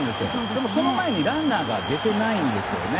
でも、その前にランナーが出てないんですよね。